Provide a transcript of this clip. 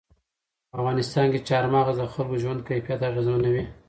په افغانستان کې چار مغز د خلکو ژوند کیفیت اغېزمنوي.